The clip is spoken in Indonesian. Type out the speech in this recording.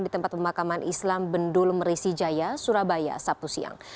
di tempat pemakaman islam bendul merisijaya surabaya sabtu siang